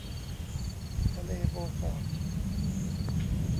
ทะเลโบฟอร์ต